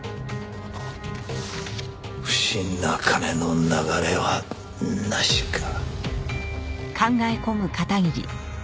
不審な金の流れはなしか。